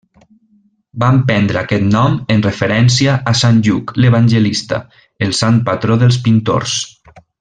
Van prendre aquest nom en referència a Sant Lluc l'evangelista, el sant patró dels pintors.